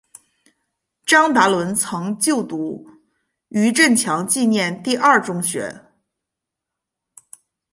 张达伦曾就读余振强纪念第二中学。